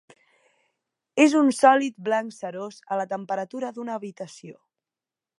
És un sòlid blanc cerós a la temperatura d'una habitació.